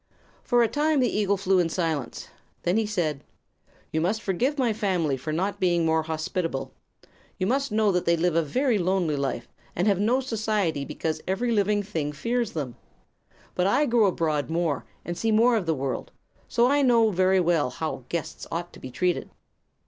For a time the eagle flew in silence. Then he said: "You must forgive my family for not being more hospitable. You must know that they live a very lonely life, and have no society because every living thing fears them. But I go abroad more and see more of the world, so I know very well how guests ought to be treated."